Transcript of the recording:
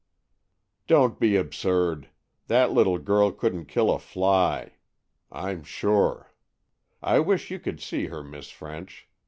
"Don't be absurd! That little girl couldn't kill a fly, I'm sure. I wish you could see her, Miss French.